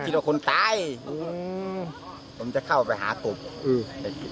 ว่าคนตายอืมผมจะเข้าไปหากบอืม